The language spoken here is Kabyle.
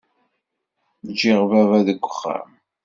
Ǧǧiɣ baba deg uxxam.